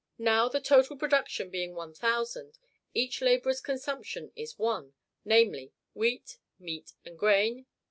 Now, the total production being one thousand, each laborer's consumption is one; namely, wheat, meat, and grain, 0.